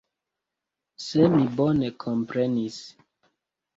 Se mi bone komprenis.